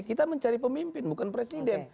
kita mencari pemimpin bukan presiden